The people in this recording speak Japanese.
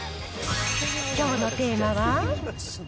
きょうのテーマは。